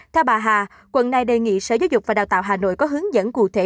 theo bà hà quận này đề nghị sở giáo dục và đào tạo hà nội có hướng dẫn cụ thể